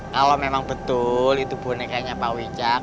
kalau memang betul itu bonekanya pak wijak